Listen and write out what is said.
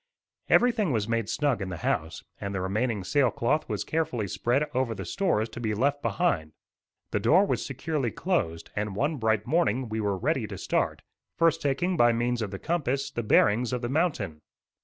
Everything was made snug in the house, and the remaining sail cloth was carefully spread over the stores to be left behind. The door was securely closed, and one bright morning we were ready to start, first taking, by means of the compass, the bearings of the mountain.